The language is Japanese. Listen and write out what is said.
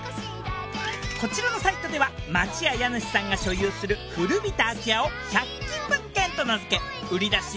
こちらのサイトでは町や家主さんが所有する古びた空き家を１００均物件と名付け売り出し